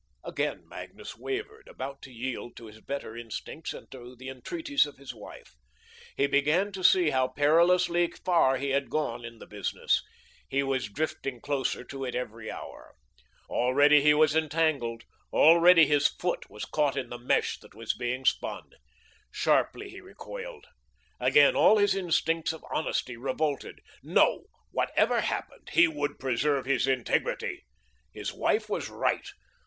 Again Magnus wavered, about to yield to his better instincts and to the entreaties of his wife. He began to see how perilously far he had gone in this business. He was drifting closer to it every hour. Already he was entangled, already his foot was caught in the mesh that was being spun. Sharply he recoiled. Again all his instincts of honesty revolted. No, whatever happened, he would preserve his integrity. His wife was right.